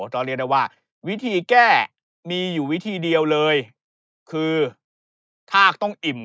ก็เรียกได้ว่าวิธีแก้มีอยู่วิธีเดียวเลยคือทากต้องอิ่ม